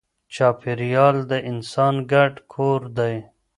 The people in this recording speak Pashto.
چاپېریال د انسان ګډ کور دی.